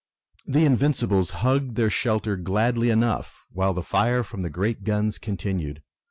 The Invincibles hugged their shelter gladly enough while the fire from the great guns continued.